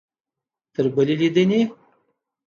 تر بلې لیدنې؟